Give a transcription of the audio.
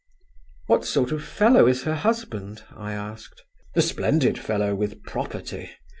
"What sort of fellow is her husband?" I asked. "A splendid fellow, with property.